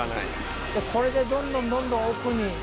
これでどんどんどんどん奥に。